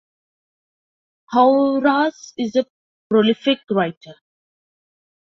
Hauerwas is a prolific writer.